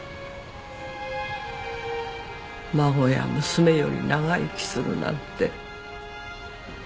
孫や娘より長生きするなんて。